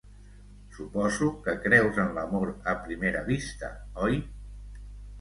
Suposo que creus en l'amor a primera vista, oi?